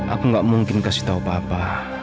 aku gak mungkin kasih tau papa